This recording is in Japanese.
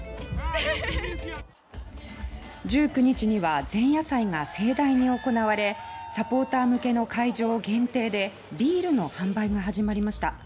１９日には前夜祭が盛大に行われサポーター向けの会場限定でビールの販売が始まりました。